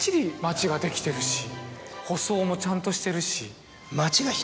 舗装もちゃんとしてるし。